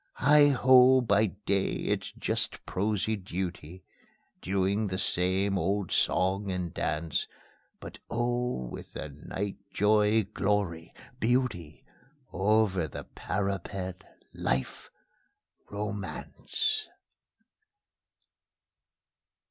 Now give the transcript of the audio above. Heigh ho! by day it's just prosy duty, Doing the same old song and dance; But oh! with the night joy, glory, beauty: Over the parapet Life, Romance!